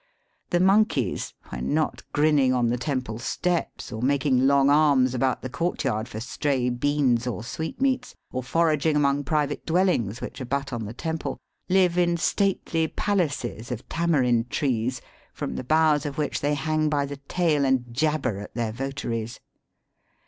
The monkeys, when not grinning on the temple steps, or making long arms about the court yard for stray beans or sweetmeats, or foraging among private dweUings which abut on the temple, live in stately palaces of tamarind trees, from the boughs of which they hang by the tail and jabber at their votaries.